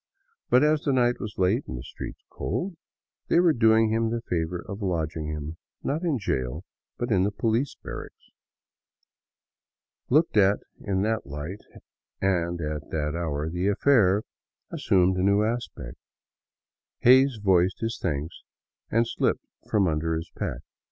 But as the night was late and the streets cold, they were doing him the favor of lodging him, not in jail, but in the poHce barracks. Looked at in that light, and at that hour, the affair as sumed a new. aspect. Hays voiced his thanks and slipped from under his pack.